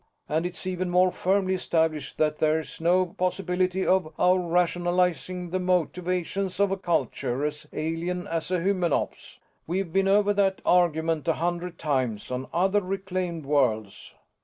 And it's even more firmly established that there's no possibility of our rationalizing the motivations of a culture as alien as the Hymenops' we've been over that argument a hundred times on other reclaimed worlds."